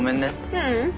ううん。